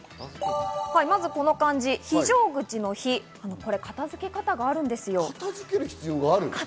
この漢字非常口の「非」、片付け方があるんです。